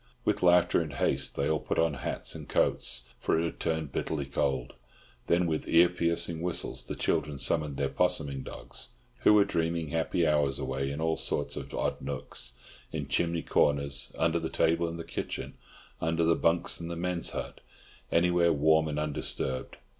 With laughter and haste they all put on hats and coats, for it had turned bitterly cold; then with ear piercing whistles the children summoned their 'possuming dogs, who were dreaming happy hours away in all sorts of odd nooks, in chimney corners, under the table in the kitchen, under the bunks in the men's hut, anywhere warm and undisturbed.